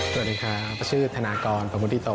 สวัสดีครับชื่อธนากรประมุติโต